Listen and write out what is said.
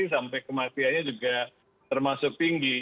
sampai kematiannya juga termasuk tinggi